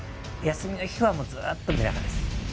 休みの日はずーっとメダカです